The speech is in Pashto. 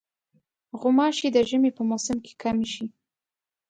غوماشې د ژمي په موسم کې کمې شي.